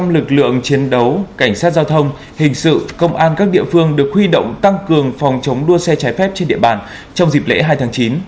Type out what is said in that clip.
một trăm linh lực lượng chiến đấu cảnh sát giao thông hình sự công an các địa phương được huy động tăng cường phòng chống đua xe trái phép trên địa bàn trong dịp lễ hai tháng chín